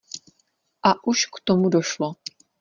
A už k tomu došlo.